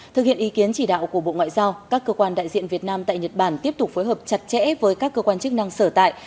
thực hiện ý kiến chỉ đạo của bộ ngoại giao các cơ quan đại diện việt nam tại nhật bản tiếp tục phối hợp chặt chẽ với các cơ quan chức năng sở tại